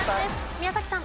宮崎さん。